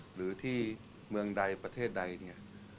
หรือที่เมืองใดประเทศใดเนี่ย